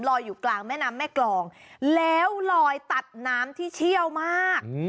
อยู่กลางแม่น้ำแม่กรองแล้วลอยตัดน้ำที่เชี่ยวมาก